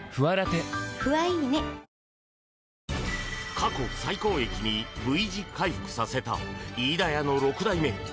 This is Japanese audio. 過去最高益にＶ字回復させた飯田屋の６代目。